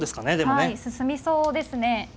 はい進みそうですね。